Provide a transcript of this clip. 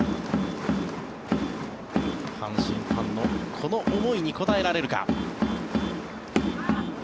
阪神ファンのこの思いに応えられるか。